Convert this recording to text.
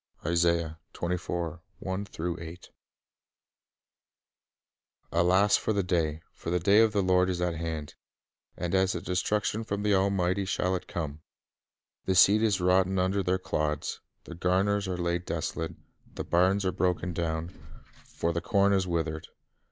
1 "Alas for the da) ! for the da)' of the Lord is at hand, and as a destruction from the Almighty shall it come. ... The seed is rotten under their clods, the garners are laid desolate, the barns are broken down; for the corn is withered.